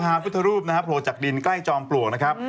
หาพุทธรูปโผลดจากดินใกล้จองปลวกนะครับ